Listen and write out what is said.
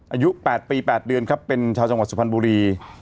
อายุ๘ปี๘เดือนครับเป็นชาวจังหวัดสุพรรณบุรี